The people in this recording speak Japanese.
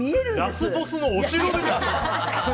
ラスボスのお城ですね。